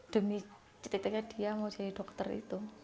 demi ketika dia mau jadi dokter itu